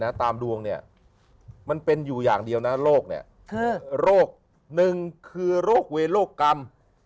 ตามดวงเนี่ยมันเป็นอยู่อย่างเดียวนะโรคเนี่ยคือโรคหนึ่งคือโรคเวโรคกรรม